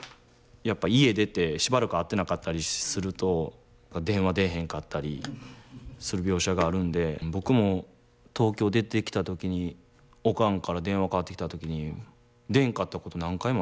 やっぱ家出てしばらく会ってなかったりすると電話出えへんかったりする描写があるんで僕も東京出てきた時におかんから電話かかってきた時に出んかったこと何回もありますもんね。